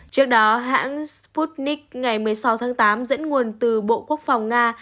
trước đó hãng sputnik ngày một mươi sáu tháng tám dẫn nguồn từ bộ quốc phòng nga